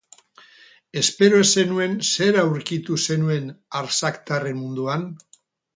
Espero ez zenuen zer aurkitu zenuen arzaktarren munduan?